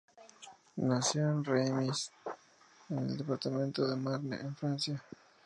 Nació en Reims, en el departamento de Marne, en Francia.